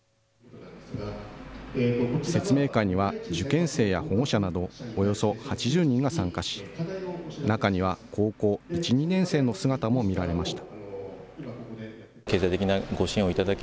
説明会には、受験生や保護者など、およそ８０人が参加し、中には高校１、２年生の姿も見られました。